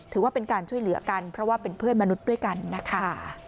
ถือว่าเป็นการช่วยเหลือกันเพราะว่าเป็นเพื่อนมนุษย์ด้วยกันนะคะ